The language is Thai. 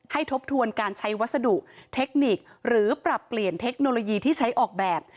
ทบทวนการใช้วัสดุเทคนิคหรือปรับเปลี่ยนเทคโนโลยีที่ใช้ออกแบบ